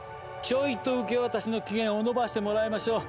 ちょいと受け渡しの期限を延ばしてもらいましょう。